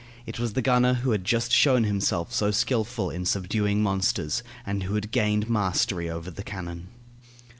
It was the gunner who had just shown himself so skilful in subduing monsters, and who had gained the mastery over the cannon.